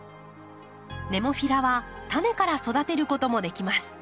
ネモフィラはタネから育てることもできます。